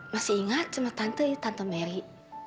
masih ingat sama tante itu tante merry